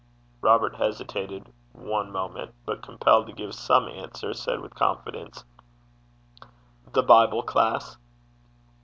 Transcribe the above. Robert hesitated one moment, but, compelled to give some answer, said, with confidence, 'The Bible class.'